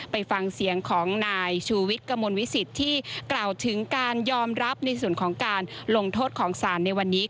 ไปฟังเสียงของนายชูวิทย์กระมวลวิสิตที่กล่าวถึงการยอมรับในส่วนของการลงโทษของศาลในวันนี้